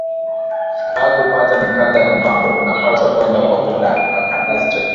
Paku pata mikanda ya mpango, unapashwa kwenda ku cadastre